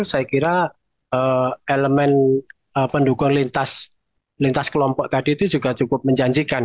saya kira elemen pendukung lintas kelompok tadi itu juga cukup menjanjikan